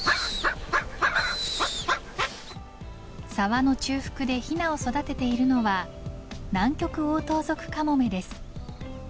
沢の中腹でひなを育てているのはナンキョクオオトウゾクカモメです。